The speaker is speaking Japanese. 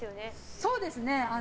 そうですね。